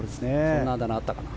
そんなあだ名あったかな？